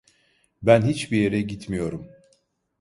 Ben hiçbir yere gitmiyorum.